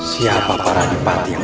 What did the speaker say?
siapa para dipati yang ingin berhutang